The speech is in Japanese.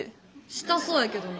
したそうやけどな。